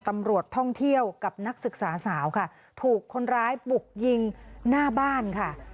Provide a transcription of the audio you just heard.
ตำรวจท่องเที่ยวกับนักศึกษาสาวค่ะถูกคนร้ายบุกยิงหน้าบ้านค่ะ